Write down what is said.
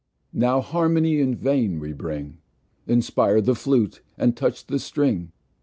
Now Harmony, in vain, we bring, Inspire the Flute, and touch the String.